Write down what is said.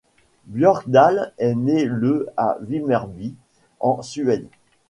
Björkdal est né le à Vimmerby en Suède.